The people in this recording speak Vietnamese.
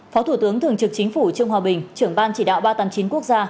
phó thủ tướng thường trực chính phủ trương hòa bình trưởng ban chỉ đạo ba trăm tám mươi chín quốc gia